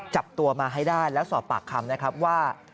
จับตัวมาให้ได้แล้วสอบปากคำนะครับว่า